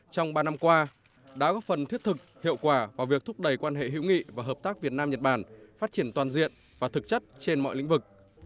trong ba năm qua đã góp phần thiết thực hiệu quả vào việc thúc đẩy quan hệ hữu nghị và hợp tác việt nam nhật bản phát triển toàn diện và thực chất trên mọi lĩnh vực